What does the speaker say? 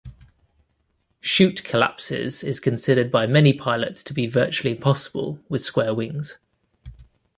Chute collapse is considered by many pilots to be virtually impossible with square wings.